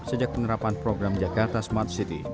sejak penerapan program jakarta smart city